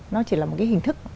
nó chỉ là một cái hình thức